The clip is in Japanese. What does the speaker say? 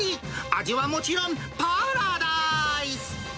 味はもちろん、パラダイス。